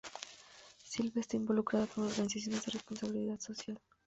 Silva está involucrada con organizaciones de responsabilidad social.